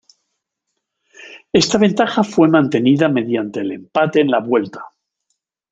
Esta ventaja fue mantenida mediante el empate en la vuelta.